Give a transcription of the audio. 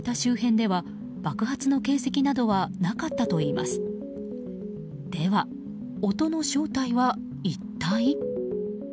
では、音の正体は一体？